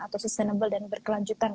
atau sustainable dan berkelanjutan